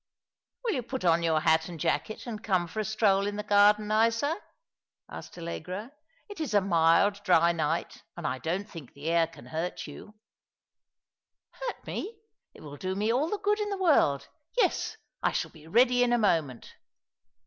" Will you put on your hat and jacket and come for a stroll in the garden, Isa ?" asked Allegra. " It is a mild, dry night, and I don't think the air can hurt you "No Siiddcn Fancy of an Ardent Boy.'' 2 i 7 "Hurt mo! It will do me all the good in the world. Yes, I shall be ready in a moment."